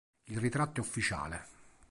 Il ritratto è ufficiale.